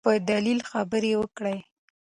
په دلیل خبرې وکړئ.